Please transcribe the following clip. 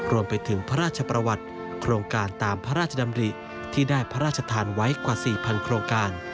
รวมไปถึงพระราชประวัติโครงการตามพระราชดำริที่ได้พระราชทานไว้กว่า๔๐๐โครงการ